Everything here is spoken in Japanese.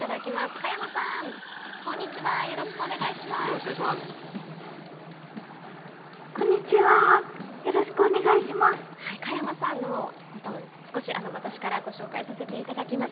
佳山さんのことを私からご紹介させていただきます。